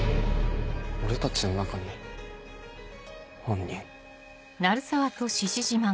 俺たちの中に犯人？